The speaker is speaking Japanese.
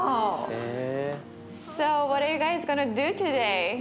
へえ。